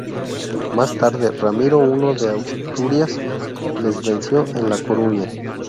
Más tarde, Ramiro I de Asturias les venció en La Coruña.